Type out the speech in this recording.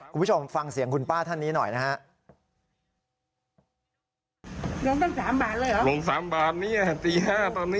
คุณผู้ชมฟังเสียงคุณป้าท่านนี้หน่อยนะฮะ